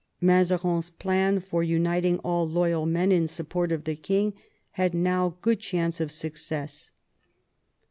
Mazarin's plan for uniting all loyal men in support of the king had now good chance of success.